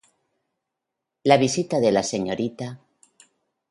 La visita de la Srta.